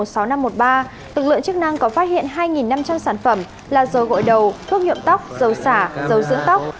tực lượng chức năng có phát hiện hai năm trăm linh sản phẩm là dấu gội đầu thước nhuộm tóc dấu xả dấu dưỡng tóc